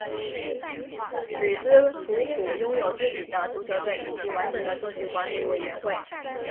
吕斯楚普拥有自己的足球队以及完整的社区管理委员会